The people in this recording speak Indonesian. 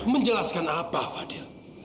menjelaskan apa fadil